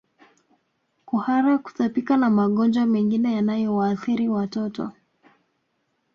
Kuhara kutapika na magonjwa mengine yanayowaathiri watoto